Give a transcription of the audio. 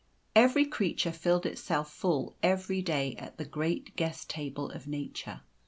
Every creature filled itself full every day at the great guest table of nature.